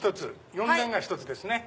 ４連が１つですね。